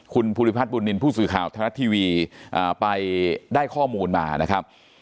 คุณภูริพัฒน์ปุ่นนินผู้สื่อข่าวธนัททีวีไปได้ข้อมูลมานะครับ